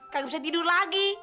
kayak gua bisa tidur lagi